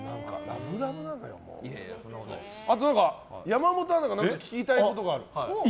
あと、山本アナが聞きたいことがあると。